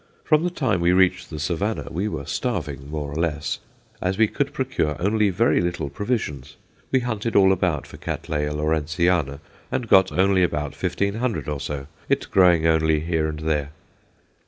From the time we reached the Savannah we were starving, more or less, as we could procure only very little provisions. We hunted all about for Catt. Lawrenceana, and got only about 1500 or so, it growing only here and there.